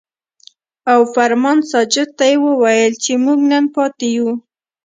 او فرمان ساجد ته يې وويل چې مونږ نن پاتې يو ـ